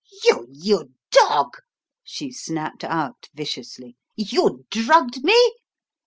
"You you dog!" she snapped out viciously. "You drugged me?"